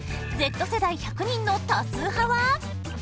Ｚ世代１００人の多数派は？